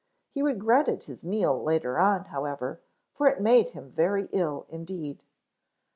He regretted his meal later on, however, for it made him very ill indeed.